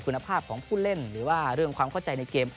คุณภาพของผู้เล่นหรือว่าเรื่องความเข้าใจในเกม